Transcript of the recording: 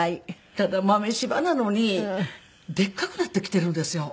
ただ豆柴なのにでっかくなってきているんですよ。